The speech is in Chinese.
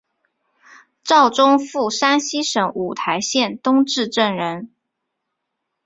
赵宗复山西省五台县东冶镇人。